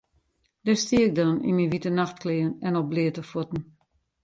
Dêr stie ik dan yn myn wite nachtklean en op bleate fuotten.